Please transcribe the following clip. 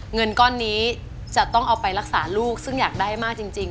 เงินก้อนนี้จะต้องเอาไปรักษาลูกซึ่งอยากได้มากจริง